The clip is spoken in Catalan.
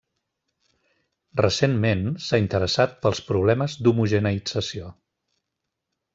Recentment s'ha interessat pels problemes d'homogeneïtzació.